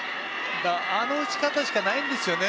あの打ち方しかないんですよね。